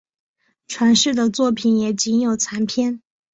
传世的作品也仅有残篇。